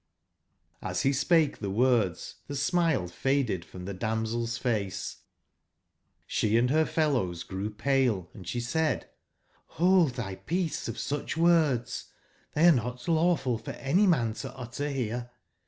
^^S be spake tbe words tbe smile faded from ^1 tbe damsel's face; sbe and ber fellows grew '^''^^ pale, and sbe said: " Hold thy peace of sucb words! Hbey are not lawful for any man to utter bere.